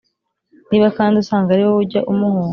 Niba kandi usanga ari wowe ujya umuhunga